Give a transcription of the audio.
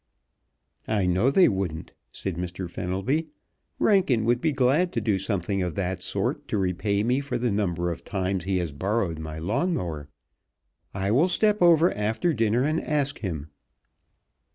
"I know they wouldn't," said Mr. Fenelby. "Rankin would be glad to do something of that sort to repay me for the number of times he has borrowed my lawn mower. I will step over after dinner and ask him."